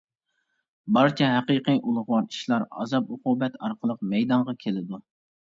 بارچە ھەقىقىي ئۇلۇغۋار ئىشلار ئازاب-ئوقۇبەت ئارقىلىق مەيدانغا كېلىدۇ.